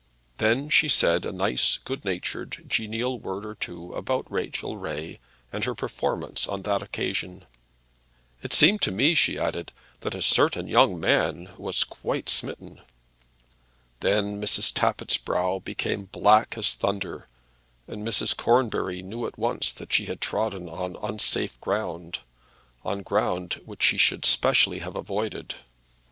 Then she said a nice good natured genial word or two about Rachel Ray and her performance on that occasion. "It seemed to me," she added, "that a certain young gentleman was quite smitten." Then Mrs. Tappitt's brow became black as thunder, and Mrs. Cornbury knew at once that she had trodden on unsafe ground, on ground which she should specially have avoided.